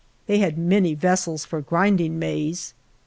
They had many vessels for grinding maize.